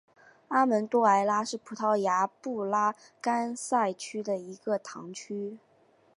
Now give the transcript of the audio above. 阿门多埃拉是葡萄牙布拉干萨区的一个堂区。